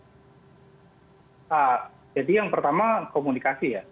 jadi yang pertama komunikasi ya